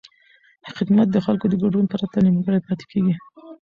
خدمت د خلکو د ګډون پرته نیمګړی پاتې کېږي.